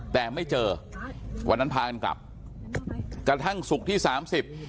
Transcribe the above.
แต่ไม่เจอวันนั้นพากันกลับกระทั่งศุกร์ที่สามสิบ